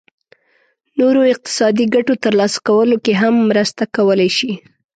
نورو اقتصادي ګټو ترلاسه کولو کې هم مرسته کولای شي.